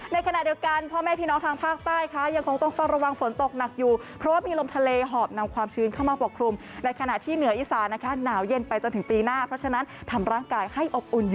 ในขณะเดียวกันพ่อแม่พี่น้องทางภาคใต้